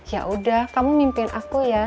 ya udah kamu mimpin aku ya